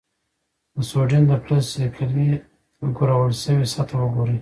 د سوډیم د فلز صیقلي ګرول شوې سطحه وګورئ.